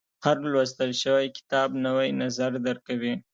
• هر لوستل شوی کتاب، نوی نظر درکوي.